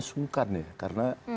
sungkan ya karena